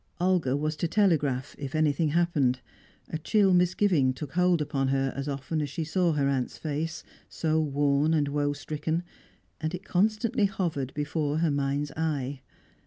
Olga was to telegraph if anything happened. A chill misgiving took hold upon her as often as she saw her aunt's face, so worn and woe stricken; and it constantly hovered before her mind's eye.